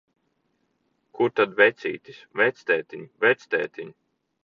Kur tad vecītis? Vectētiņ, vectētiņ!